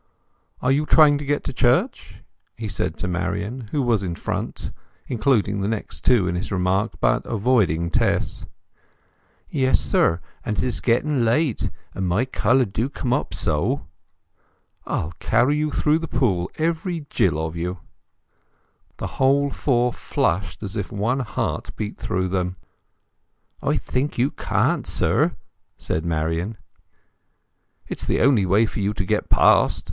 "Are you trying to get to church?" he said to Marian, who was in front, including the next two in his remark, but avoiding Tess. "Yes, sir; and 'tis getting late; and my colour do come up so—" "I'll carry you through the pool—every Jill of you." The whole four flushed as if one heart beat through them. "I think you can't, sir," said Marian. "It is the only way for you to get past.